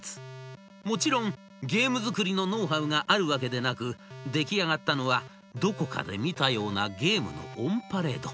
もちろんゲーム作りのノウハウがあるわけでなく出来上がったのはどこかで見たようなゲームのオンパレード。